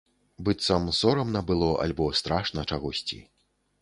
Быццам сорамна было альбо страшна чагосьці.